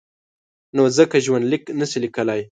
نو ځکه ژوندلیک نشي لیکلای.